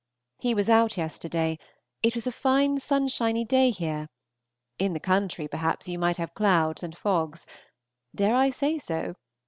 He was out yesterday; it was a fine sunshiny day here (in the country perhaps you might have clouds and fogs. Dare I say so?